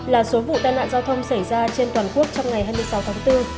hai mươi sáu là số vụ đa nạn giao thông xảy ra trên toàn quốc trong ngày hai mươi sáu tháng bốn